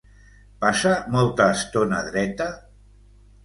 Passa molta estona dreta?